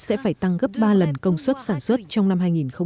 sẽ phải tăng gấp ba lần công suất sản xuất trong năm hai nghìn hai mươi